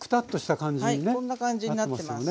こんな感じになってます。